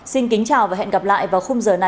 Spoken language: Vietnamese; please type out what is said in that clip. xin kính chào và hẹn gặp lại vào khung giờ này tuần sau